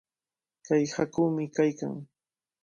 Kay haakumi kaykan.